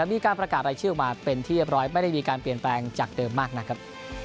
มีการประกาศรายชื่อออกมาเป็นที่เรียบร้อยไม่ได้มีการเปลี่ยนแปลงจากเดิมมากนักครับ